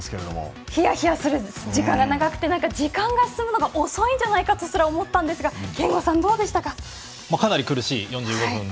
ひやひやする時間が長くて時間が進むのが遅いんじゃないかとすら思ったんですがかなり厳しい４５分。